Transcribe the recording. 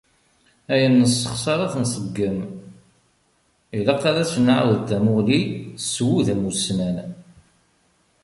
Ayen nessexṣer ad t-nseggem, ilaq ad as-nɛawed tamuɣli s wudem ussnan.